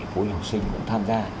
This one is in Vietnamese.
của học sinh cũng tham gia